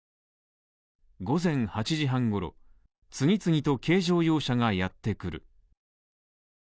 午前８時半ごろ、次々と軽乗用車がやってくる。